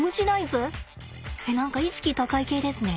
えっ何か意識高い系ですね。